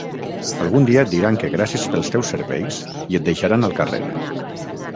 Algun dia et diran que gràcies pels teus serveis i et deixaran al carrer.